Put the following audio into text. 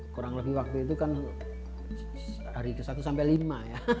kurang lebih waktu itu kan hari ke satu sampai lima ya